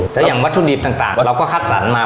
แล้วอย่างวัตถุดิบต่างเราก็คัดสรรมา